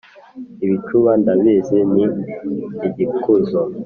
ibicuba ndabizi ni igikuzo,